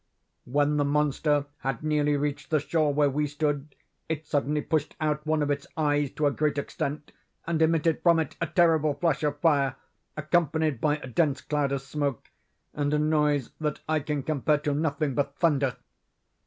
"'When the monster had nearly reached the shore where we stood, it suddenly pushed out one of its eyes to a great extent, and emitted from it a terrible flash of fire, accompanied by a dense cloud of smoke, and a noise that I can compare to nothing but thunder.